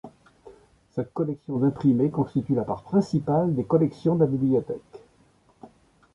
Cette collection d'imprimés constitue la part principale des collections de la bibliothèque.